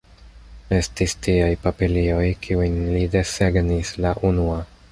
Estis tiaj papilioj, kiujn li desegnis la unua.